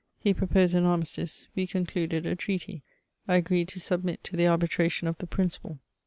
He proposed an aniustice : we concluded a treaty : I agreed to submit to the arbitration of the Principal.